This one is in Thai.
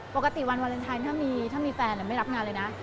ปกติวันวาเลนไทยถ้ามีแฟนไม่รับงานเลยนะ